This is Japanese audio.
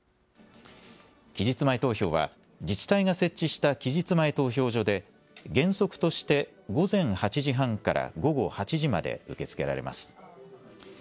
期日前投票は、自治体が設置した期日前投票所で原則として午前８時半から午後８時まで受け付けられます。